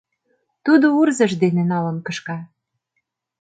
Тудо урзыж дене налын кышка.